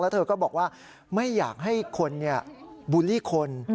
เธอก็บอกว่าไม่อยากให้คนบูลลี่คน